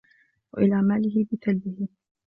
وَإِلَى مَالِهِ بِثَلْبِهِ